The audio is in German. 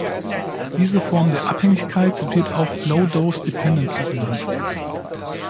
Diese Form der Abhängigkeit wird auch "„low dose dependency“" genannt.